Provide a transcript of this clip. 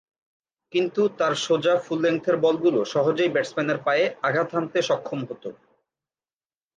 কিন্তু তার সোজা, ফুল-লেন্থের বলগুলো সহজেই ব্যাটসম্যানের পায়ে আঘাত হানতে সক্ষম হতো।